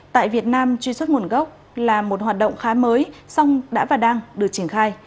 tại việt nam truy xuất nguồn gốc là một hoạt động khá mới song đã và đang được triển khai